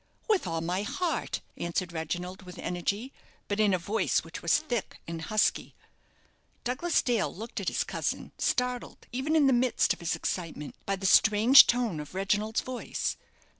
"With all my heart," answered Reginald, with energy, but in a voice which was thick and husky. Douglas Dale looked at his cousin, startled, even in the midst of his excitement, by the strange tone of Reginald's voice.